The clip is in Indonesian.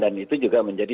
dan itu juga menjadi